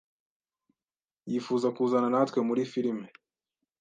Yifuza kuzana natwe muri firime.